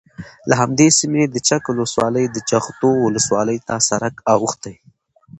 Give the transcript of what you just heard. له همدې سیمې د چک له ولسوالۍ د جغتو ولسوالۍ ته سرک اوښتی،